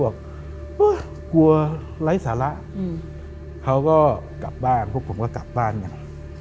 กลัวไร้สาระเขาก็กลับบ้านพวกผมก็กลับบ้านไง